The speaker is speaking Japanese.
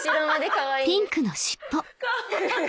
かわいい！